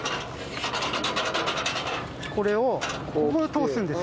これをここへ通すんです。